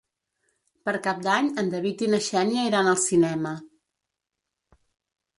Per Cap d'Any en David i na Xènia iran al cinema.